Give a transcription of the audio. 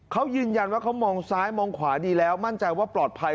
เขายืนยันว่าเขามองซ้ายมองขวาดีแล้วมั่นใจว่าปลอดภัย